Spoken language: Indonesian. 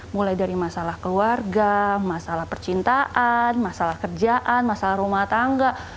mulai dari masalah keluarga masalah percintaan masalah kerjaan masalah rumah tangga